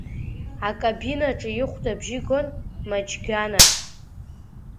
Акабинаҿы ихәда абжьы гон Маџьгана.